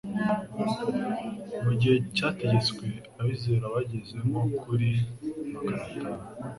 Mu gihe cyategetswe, abizera bageze nko kuri magana atanu,